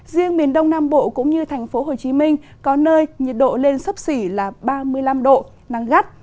riêng miền đông nam bộ cũng như thành phố hồ chí minh có nơi nhiệt độ lên sấp xỉ là ba mươi năm độ nắng gắt